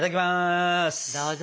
どうぞ。